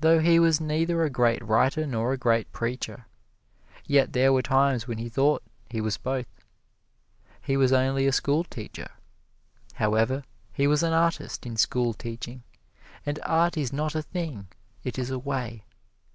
Though he was neither a great writer nor a great preacher, yet there were times when he thought he was both. He was only a schoolteacher. However, he was an artist in schoolteaching, and art is not a thing it is a way.